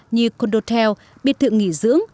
như condotel biệt thượng nghỉ dưỡng